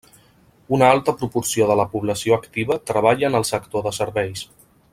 Una alta proporció de la població activa treballa en el sector de serveis.